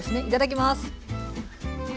いただきます。